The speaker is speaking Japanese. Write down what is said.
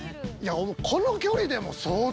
この距離でも。